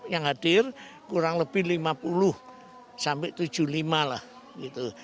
yang hadir kurang lebih lima puluh sampai tujuh puluh lima lah gitu